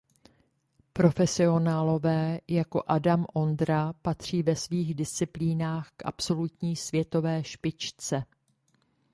Profesionálové jako Adam Ondra patří ve svých disciplínách k absolutní světové špičce.